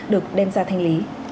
được đem ra thanh lý